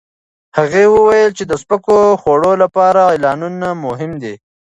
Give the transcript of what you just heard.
هغه وویل چې د سپکو خوړو لپاره اعلانونه مهم دي.